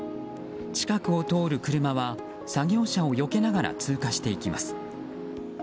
近くを通る車は作業車をよけながら通過していきます。